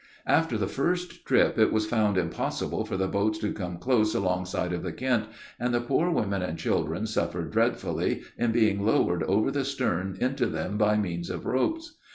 After the first trip, it was found impossible for the boats to come close alongside of the Kent, and the poor women and children suffered dreadfully, in being lowered over the stern into them by means of ropes.